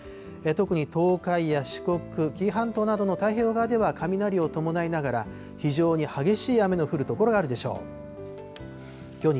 特に東海や四国、紀伊半島などの太平洋側では、雷を伴いながら非常に激しい雨の降る所があるでしょう。